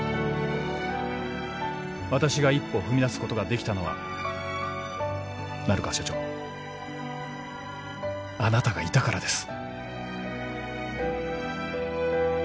私が一歩踏み出すことができたのは成川社長あなたがいたからです